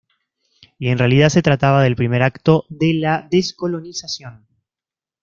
Y en realidad, se trataba del primer acto de la descolonización.